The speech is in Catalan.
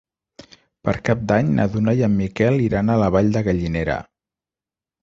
Per Cap d'Any na Duna i en Miquel iran a la Vall de Gallinera.